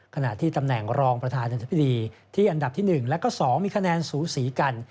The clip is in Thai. ขณะที่ตำแหน่งรองประธานอธิบดีที่อันดับที่๑และก็๒มีคะแนนสูสีกัน